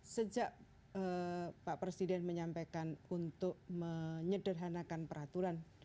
sejak pak presiden menyampaikan untuk menyederhanakan peraturan